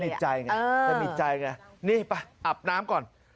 ใจไงสนิทใจไงนี่ไปอาบน้ำก่อน